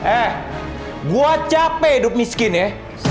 eh gue capek hidup miskin ya